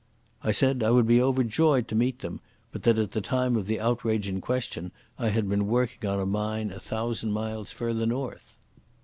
I said I would be overjoyed to meet them, but that at the time of the outrage in question I had been working on a mine a thousand miles further north.